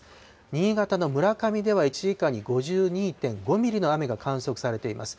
新潟の村上では、１時間に５２．５ミリの雨が観測されています。